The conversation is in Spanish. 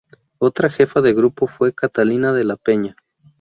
Otra jefa de grupo fue Catalina de la Peña.